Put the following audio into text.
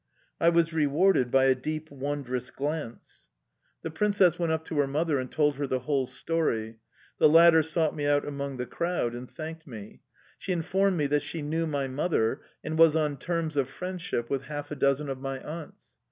I was rewarded by a deep, wondrous glance. The Princess went up to her mother and told her the whole story. The latter sought me out among the crowd and thanked me. She informed me that she knew my mother and was on terms of friendship with half a dozen of my aunts.